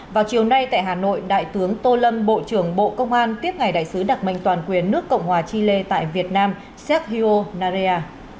vào chiều nay tại hà nội đại tướng tô lâm bộ trưởng bộ công an tiếp ngày đại sứ đặc mệnh toàn quyền nước cộng hòa chile tại việt nam sécio narea